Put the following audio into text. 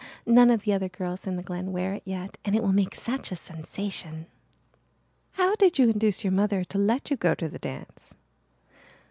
None of the other girls in the Glen wear it yet and it will make such a sensation." "How did you induce your mother to let you go to the dance?"